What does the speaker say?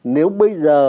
nếu bây giờ